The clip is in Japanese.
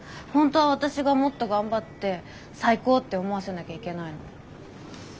本当は私がもっと頑張って最高って思わせなきゃいけないのに。